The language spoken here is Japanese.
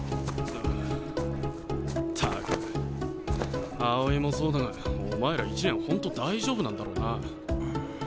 ったく青井もそうだがお前ら１年本当大丈夫なんだろうな？